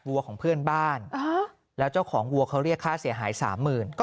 วัวของเพื่อนบ้านแล้วเจ้าของวัวเขาเรียกค่าเสียหายสามหมื่น